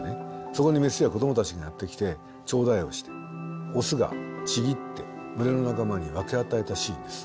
そこにメスや子どもたちがやって来て頂戴をしてオスがちぎって群れの仲間に分け与えたシーンです。